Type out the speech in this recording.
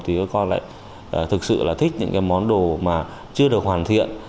thì các con lại thực sự là thích những cái món đồ mà chưa được hoàn thiện